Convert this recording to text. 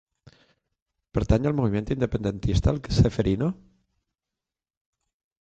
Pertany al moviment independentista el Ceferino?